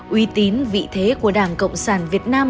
uy tín vị thế của đảng cộng sản việt nam